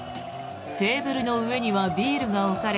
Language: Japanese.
テーブルの上にはビールが置かれ